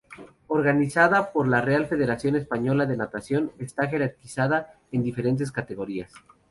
Organizada por la Real Federación Española de Natación, está jerarquizada en diferentes categorías.